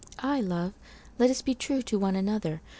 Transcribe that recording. Ah, love, let us be trueTo one another!